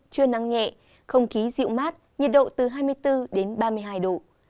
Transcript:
trưa nắng nhẹ không khí dịu mát nhiệt độ từ hai mươi bốn đến ba mươi hai độ